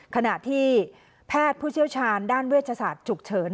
ขณะที่แพทย์ผู้เชี่ยวชาญด้านเวชศาสตร์ฉุกเฉิน